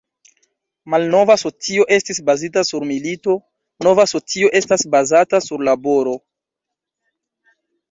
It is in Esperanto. Malnova socio estis bazita sur milito, nova socio estas bazata sur laboro.